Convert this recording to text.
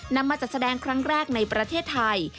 นำมาจัดแสดงครั้งแรกในประเทศไทย